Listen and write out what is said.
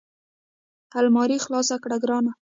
المارۍ خلاصه کړه ګرانه !